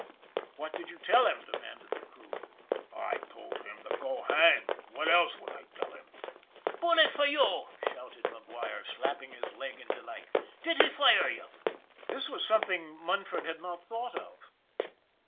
" What did you tell him? " demanded the crew. " I told him to go hang. What else would I tell him?" " Bully for you !" shouted McGuire, slapping his leg in delight. " Did he fire you? " This was something Munford had not thought of.